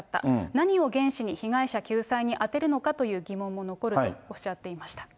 何を原資に被害者救済に充てるのかという疑問も残るとおっしゃっていました。